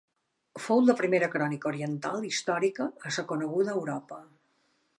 Fou la primera crònica oriental històrica a ser coneguda a Europa.